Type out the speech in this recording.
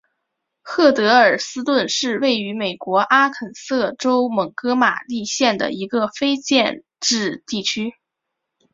赫德尔斯顿是位于美国阿肯色州蒙哥马利县的一个非建制地区。